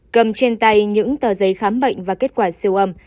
cầm trên tay những tờ giấy khám bệnh và kết quả siêu âm